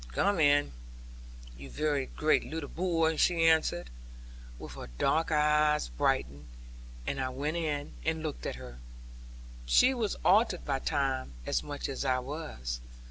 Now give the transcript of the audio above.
'Come in, you very great leetle boy,' she answered, with her dark eyes brightened. And I went in, and looked at her. She was altered by time, as much as I was.